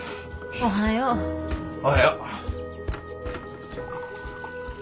おはよう。何？